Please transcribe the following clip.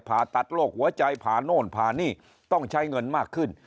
ผ่าตัดโรคหัวใจผ่าโน่นผ่านี่ต้องใช้เงินมากขึ้น